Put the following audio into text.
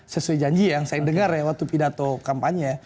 sesuai janji yang saya dengar ya waktu pidato kampanye